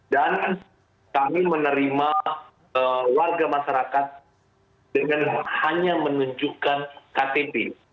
dan kami menerima warga masyarakat dengan hanya menunjukkan ktp